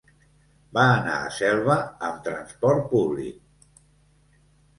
Va anar a Selva amb transport públic.